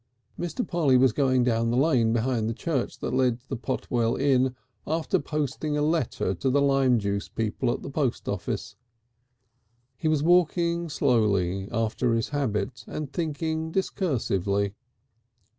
Mr. Polly was going down the lane behind the church that led to the Potwell Inn after posting a letter to the lime juice people at the post office. He was walking slowly, after his habit, and thinking discursively.